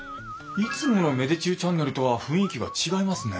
いつもの芽出中チャンネルとは雰囲気が違いますね。